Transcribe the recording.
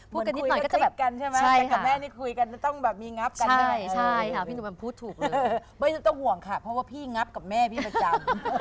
พูดถูกเลยไม่ต้องห่วงค่ะเพราะว่าพี่งับกับแม่พี่ประจำ